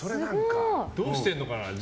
どうしてるのかな。